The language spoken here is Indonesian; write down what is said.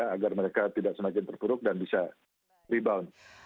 agar mereka tidak semakin terpuruk dan bisa rebound